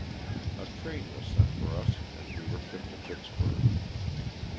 A train was sent for us and we were shipped to Vicksburg.